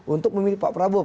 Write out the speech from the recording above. untuk memilih pak prabowo